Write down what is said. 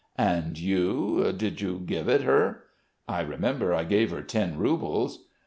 "And you ... did you give it her?" "I remember I gave her ten roubles."